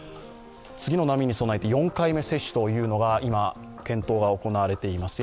次の波に備えて４回目接種というのが今、検討が行われています。